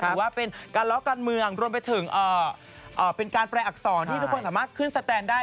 ถือว่าเป็นการล้อการเมืองรวมไปถึงเป็นการแปลอักษรที่ทุกคนสามารถขึ้นสแตนได้